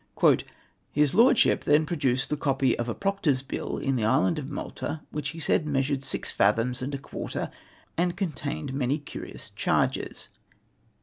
" His Lordship then produced the copy of a Proctor's Bill in the island of ^Nlalta, Avhich he said measured six fathoms and a quarter, and contained many curious charges.